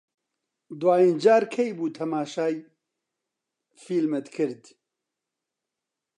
دوایین جار کەی بوو تەماشای فیلمت کرد؟